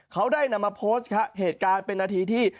เขาได้นำมาโพสต์ครับเหตุการณ์เป็นนาทีที่